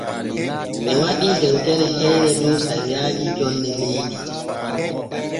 Ɓe waɗii dewtere heyre dow sariyaaji jonne leydi.